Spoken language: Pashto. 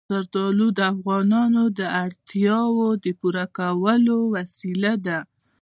زردالو د افغانانو د اړتیاوو د پوره کولو وسیله ده.